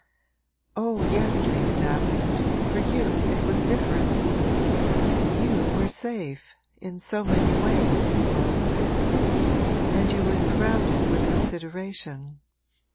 'Oh yes, Lady Davenant for you it was different. You were safe, in so many ways,' Laura said. 'And you were surrounded with consideration.'